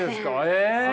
え。